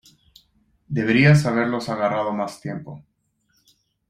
Deberías haberlos agarrado más tiempo.